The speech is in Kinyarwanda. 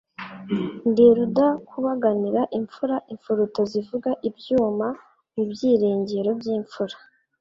Ndi rudakubaganira imfura, Imfuruta zivuga ibyuma mu byirengero by'imfura.